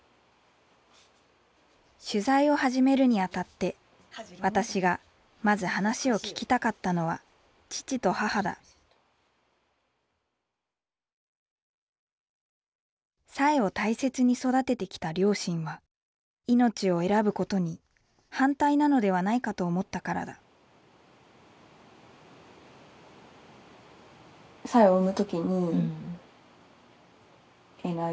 取材を始めるにあたって私がまず話を聞きたかったのは父と母だ彩英を大切に育ててきた両親は命を選ぶことに反対なのではないかと思ったからだえっ